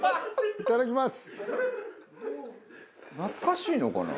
いただきます。